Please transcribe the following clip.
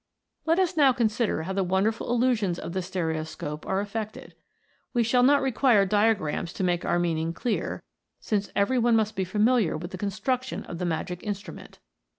Let us now consider how the wonderful illusions of the stereoscope are effected. We shall not require diagrams to make our meaning clear, since every one must be familiar with the construction of the magic instrument.